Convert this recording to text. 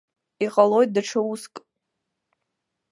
Иҟалоит даҽа уск.